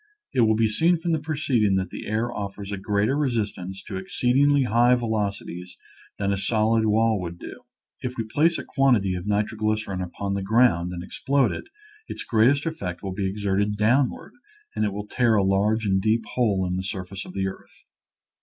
It will be seen from the preceding that the air offers a greater resist ance to exceedingly high velocities than a solid wall would do. If we place a quantity of nitroglycerin upon the ground and explode it, its greatest effect will be exerted downward, and it will tear a large and deep hole in the surface of the earth.